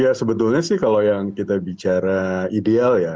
ya sebetulnya sih kalau yang kita bicara ideal ya